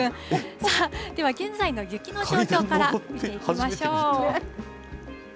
さあ、では現在の雪の状況から見ていきましょう。